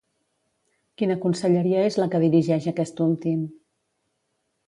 Quina conselleria és la que dirigeix aquest últim?